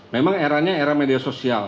memang eranya era media sosial